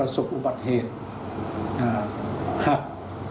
ถูกต้อง